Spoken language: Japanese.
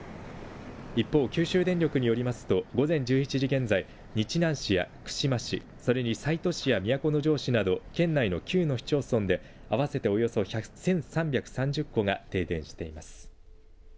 一方、九州電力によりますと午前１１時現在、日南市や串間市、それに西都市や都城市など県内の９の市町村で合わせておよそ１３３０戸が停電しています。